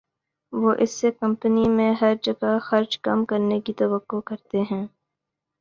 وہ اس سے کمپنی میں ہر جگہ خرچ کم کرنے کی توقع کرتے ہیں